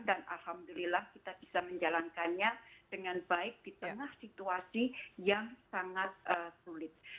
dan alhamdulillah kita bisa menjalankannya dengan baik di tengah situasi yang sangat sulit